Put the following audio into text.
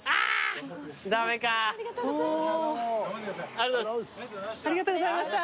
ありがとうございます。